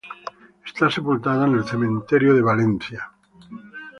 Está sepultada en el cementerio de Valencia.